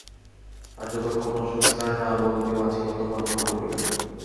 আর যতক্ষণ অশোক স্যার না বলবে মাছির মতো ভনভন করবি না!